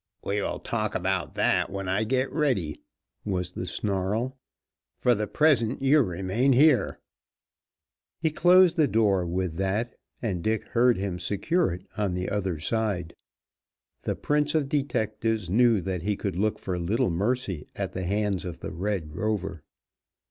"We will talk about that when I get ready," was the snarl. "For the present you remain here." He closed the door with that, and Dick heard him secure it on the other side. The prince of detectives knew that he could look for little mercy at the hands of the Red Rover.